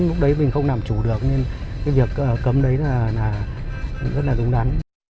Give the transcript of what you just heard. lúc đấy mình không làm chủ được nên cái việc cấm đấy là rất là đúng đắn